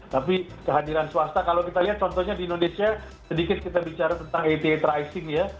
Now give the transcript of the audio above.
tapi kehadiran swasta kalau kita lihat contohnya di indonesia sedikit kita bicara tentang ita tracing ya